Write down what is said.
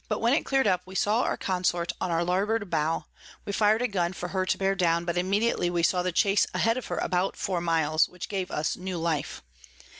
When it clear'd up, we saw our Consort on our Larboard Bow; we fir'd a Gun for her to bear down, but immediately we saw the Chase ahead of her about four miles, which gave us new Life.